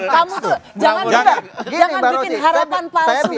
kamu tuh jangan bikin harapan palsu